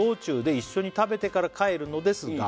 「一緒に食べてから帰るのですが」